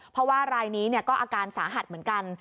เพราะว่ารายนี้ก็อาการสาหัสเหมือนกัน